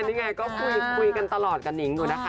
นี่ไงก็คุยกันตลอดกับหนิงอยู่นะคะ